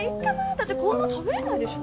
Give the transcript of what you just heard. だってこんな食べられないでしょ？